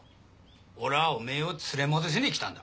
俺はおめを連れ戻しに来だんだ。